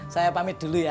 saya pamit dulu ya